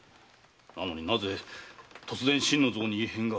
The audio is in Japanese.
なのになぜ突然心の臓に異変が。